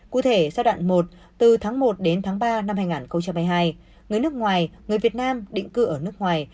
cụ thể giai đoạn một từ tháng một đến tháng ba năm hai nghìn hai mươi hai người nước ngoài người việt nam định cư ở nước ngoài